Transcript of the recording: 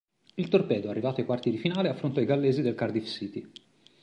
Il Torpedo, arrivato ai quarti di finale, affrontò i gallesi del Cardiff City.